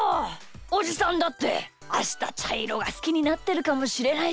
おじさんだってあしたちゃいろがすきになってるかもしれないし。